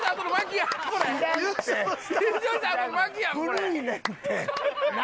古いねんって！